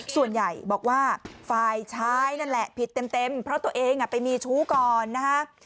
ส่วนใหญ่บอกว่าฝ่ายชายนั่นแหละผิดเต็มเพราะตัวเองไปมีชู้ก่อนนะฮะ